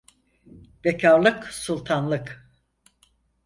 Bekarlık sultanlık.